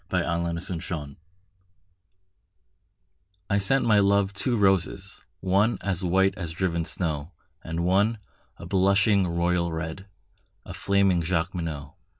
The White Flag I sent my love two roses, one As white as driven snow, And one a blushing royal red, A flaming Jacqueminot.